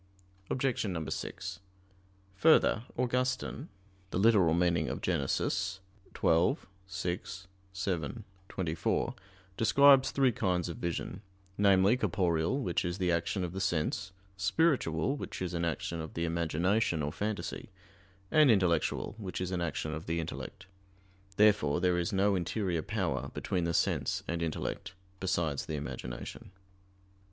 Obj. 6: Further, Augustine (Gen. ad lit. xii, 6, 7, 24) describes three kinds of vision; namely, corporeal, which is the action of the sense; spiritual, which is an action of the imagination or phantasy; and intellectual, which is an action of the intellect. Therefore there is no interior power between the sense and intellect, besides the imagination.